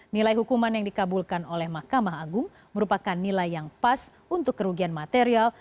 nilai hukuman yang dikabulkan oleh mahkamah agung merupakan nilai yang pas untuk kerugian material